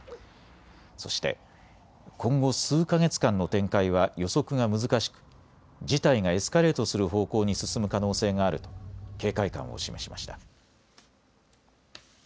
そして今後、数か月間の展開は予測が難しく事態がエスカレートする方向に進む可能性があると警戒感を示しました。